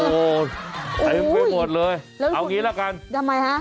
ไม่หมดเลยเอาอย่างนี้ละกันทำไมคะ